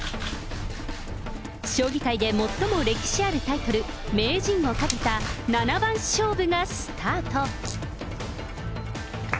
将棋界で最も歴史あるタイトル、名人をかけた七番勝負がスタート。